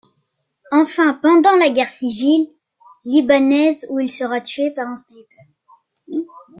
Enfin pendant la guerre civile libanaise où il sera tué par un sniper.